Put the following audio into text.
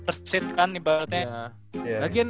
first seed kan ibaratnya